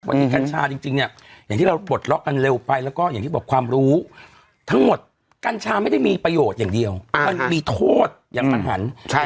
วันนี้กัญชาจริงเนี่ยอย่างที่เราปลดล็อกกันเร็วไปแล้วก็อย่างที่บอกความรู้ทั้งหมดกัญชาไม่ได้มีประโยชน์อย่างเดียวมันมีโทษอย่างประหัน